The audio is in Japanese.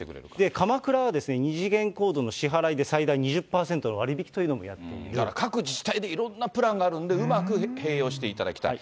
鎌倉は２次元コードの支払いで最大２０％の割引というのもや各自治体でいろんなプランがあるんで、うまく併用していただきたい。